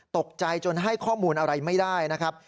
ตกใจจนให้ข้อมูลอะไรไม่ได้นะครับ